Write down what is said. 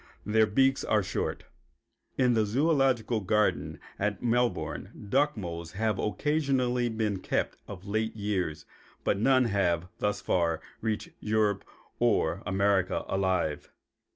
Their beaks are short. In the zoölogical garden at Melbourne duck moles have occasionally been kept of late years, but none have, thus far, reached Europe or America alive.